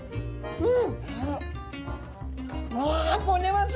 うん。